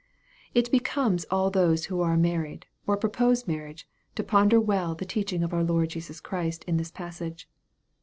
It becomes all those who are married, or purpose mar riage, to ponder well the teaching of our Lord Jesus Christ in this passage.